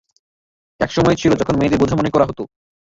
একসময় ছিল যখন মেয়েদের বোঝা মনে করা হতো।